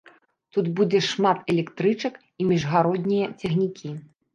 Тут будзе шмат электрычак і міжгароднія цягнікі.